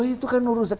itu kan urusan